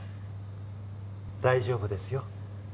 大丈夫ですよ。